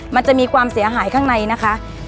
มันจะมีความเสียหายข้างในนะคะ